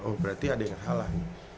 oh berarti ada yang halal